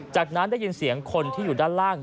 จากนั้นได้ยินเสียงคนที่อยู่ด้านล่าง